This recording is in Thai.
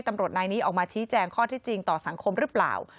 ตำรวจนายนี้ออกมาชี้แจงข้อที่จริงต่อสังคมหรือเปล่า